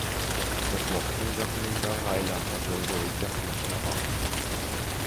Токмоктун жакынындагы айлампа жолдо эки автомашина кагышты.